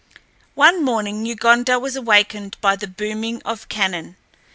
One morning, New Gondar was awakened by the booming of cannon.